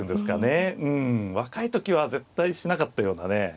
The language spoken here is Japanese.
若い時は絶対しなかったようなね